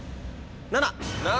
７。